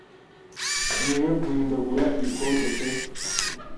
Nkwiye guhindagura iyi code pe